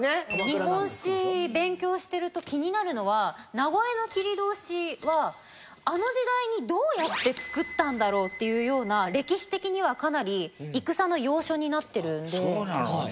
日本史勉強してると気になるのは名越切通はあの時代にどうやって造ったんだろう？っていうような歴史的にはかなり戦の要所になっているので。